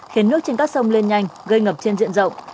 khiến nước trên các sông lên nhanh gây ngập trên diện rộng